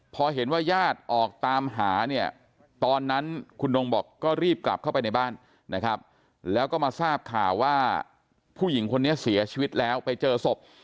พอเห็นว่าญาติออกตามหาเนี่ยตอนนั้นคุณนงบอกก็รีบกลับเข้าไปในบ้านนะครับแล้วก็มาทราบข่าวว่าผู้หญิงคนนี้เสียชีวิตแล้วไปเจอศพ